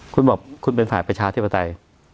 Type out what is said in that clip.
คุณบอกคุณเป็นฝ่ายประชาธิปไตย